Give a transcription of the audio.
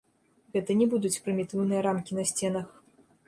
Гэта не будуць прымітыўныя рамкі на сценах.